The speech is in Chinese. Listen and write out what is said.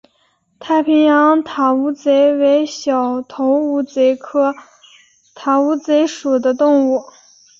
太平洋塔乌贼为小头乌贼科塔乌贼属的动物。